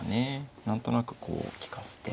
何となくこう利かして。